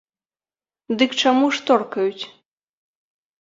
Дык чаму ж торкаюць?